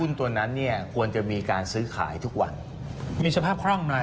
ตัวนั้นเนี่ยควรจะมีการซื้อขายทุกวันมีสภาพคล่องน้อย